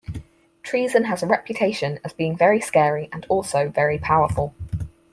Treason has a reputation as being very scary and also very powerful.